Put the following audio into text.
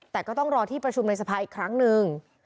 แต่ก็ต้องรอที่ประชุมในสภาอีกครั้งหนึ่ง